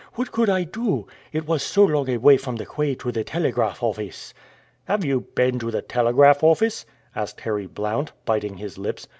What could I do? It was so long a way from the quay to the telegraph office." "Have you been to the telegraph office?" asked Harry Blount, biting his lips.